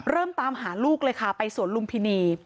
เริ่มตามหาลูกเลยค่ะไปส่วนลุงพินี